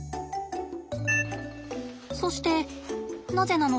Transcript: そしてなぜなの？